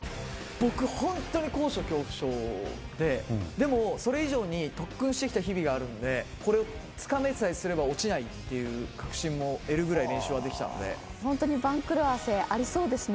僕、本当に高所恐怖症で、でも、それ以上に特訓してきた日々があるんで、これをつかめさえすれば落ちないっていう確信持てるぐらい練習は本当に番狂わせありそうですね。